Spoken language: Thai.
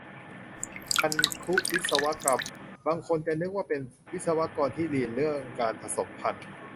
พันธุวิศวกรรม บางคนจะนึกว่าเป็นวิศวกรที่เรียนเรื่องการผสมพันธุ์